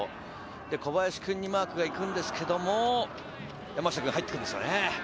小林くんにマークが行くんですけれど、山下君が入ってくるんですよね。